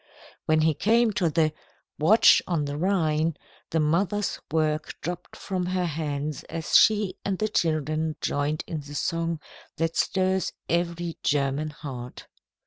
When he came to the "Watch on the Rhine," the mother's work dropped from her hands as she and the children joined in the song that stirs every German heart.